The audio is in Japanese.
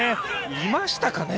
いましたかね？